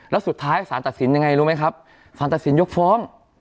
แล้วสุดท้ายสารตัดสินยังไงรู้ไหมครับสารตัดสินยกฟ้อง